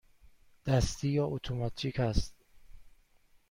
دستی یا اتوماتیک است؟